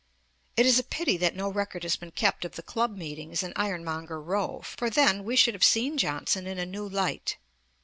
It is a pity that no record has been kept of the club meetings in Ironmonger Row, for then we should have seen Johnson in a new light.